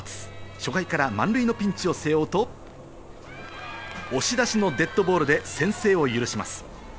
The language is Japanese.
初回から満塁のピンチを背負うと、押し出しのデッドボールで先制を許します。